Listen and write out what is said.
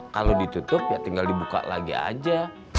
kalau ditutup ya tinggal dibuka lagi aja